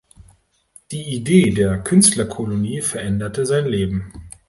Die Idee der Künstlerkolonie veränderte sein Leben.